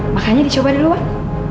makannya dicoba dulu wak